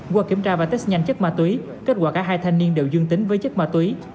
qua kiểm tra và test nhanh chất ma túy kết quả cả hai thanh niên đều dương tính với chất ma túy